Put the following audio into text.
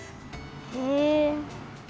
へえ。